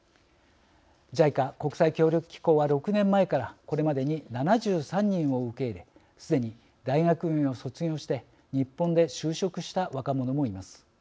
ＪＩＣＡ＝国際協力機構は６年前からこれまでに７３人を受け入れすでに大学院を卒業して日本で就職した若者もいます。